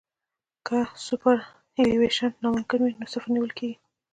که سوپرایلیویشن ناممکن وي نو صفر نیول کیږي